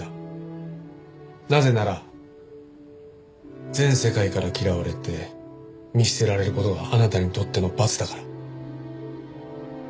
なぜなら全世界から嫌われて見捨てられる事があなたにとっての罰だから。